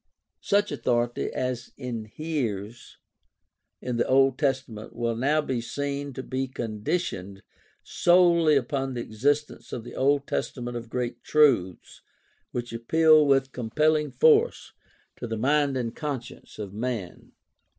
Such authority as inheres in the Old Testament will now be seen to be conditioned solely upon the existence in the Old Testament of great truths which appeal with compelling force to the mind and conscience of man.